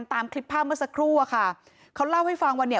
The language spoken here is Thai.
ตามคลิปภาพเมื่อสักครู่อะค่ะเขาเล่าให้ฟังว่าเนี่ย